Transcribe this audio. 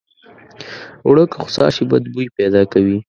اوړه که خوسا شي بد بوي پیدا کوي